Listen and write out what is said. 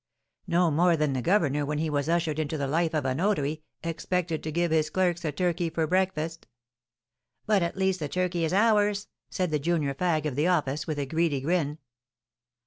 "No more than the governor, when he was ushered into the life of a notary, expected to give his clerks a turkey for breakfast." "But, at least, the turkey is ours!" said the junior fag of the office, with a greedy grin.